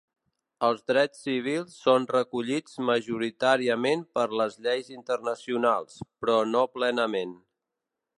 Els drets civils són recollits majoritàriament per les lleis internacionals, però no plenament.